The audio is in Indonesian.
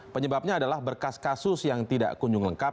penyebabnya adalah berkas kasus yang tidak kunjung lengkap